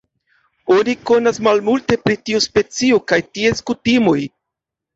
Oni konas malmulte pri tiu specio kaj ties kutimoj.